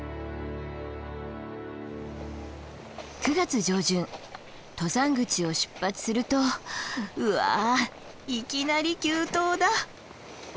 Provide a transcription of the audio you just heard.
９月上旬登山口を出発するとうわいきなり急登だ！